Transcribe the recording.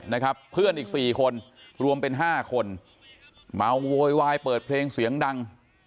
นะครับเพื่อนอีกสี่คนรวมเป็นห้าคนเมาโวยวายเปิดเพลงเสียงดัง